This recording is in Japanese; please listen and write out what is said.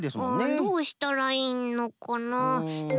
どうしたらいいのかな？